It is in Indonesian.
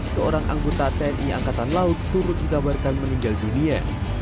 seorang anggota tni angkatan laut turut dikabarkan meninggal dunia